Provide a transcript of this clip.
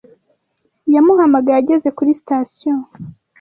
Yamuhamagaye ageze kuri sitasiyo.